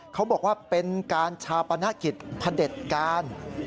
เขาบอกว่าเป็นการชาปนกิจพระเด็จการ